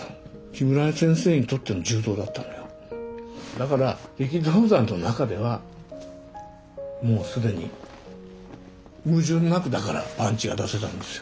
だから力道山の中ではもう既に矛盾なくだからパンチが出せたんですよ。